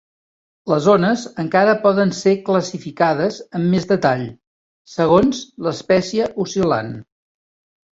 Les ones encara poden ser classificades amb més detall, segons l'espècie oscil·lant.